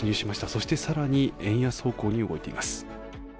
そしてさらに円安方向に動いています。